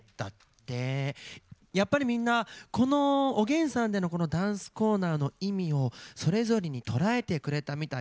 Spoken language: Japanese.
やっぱりみんなおげんさんでのダンスコーナーの意味をそれぞれに捉えてくれたみたい。